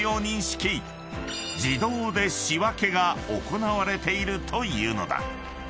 ［自動で仕分けが行われているというのだ］